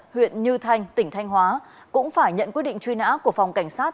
huyện như thanh tỉnh thanh hóa cũng phải nhận quyết định truy nã của phòng cảnh sát